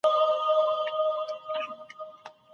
چا خپل سر په خپله وخرايه؟